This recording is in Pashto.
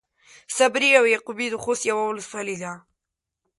صبري او يعقوبي د خوست يوۀ ولسوالي ده.